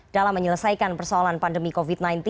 dalam menyelesaikan persoalan pandemi covid sembilan belas